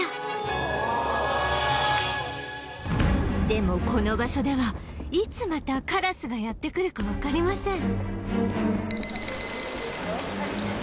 でもこの場所ではいつまたカラスがやって来るかわかりません